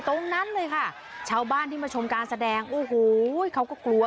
ตรงนั้นเลยค่ะ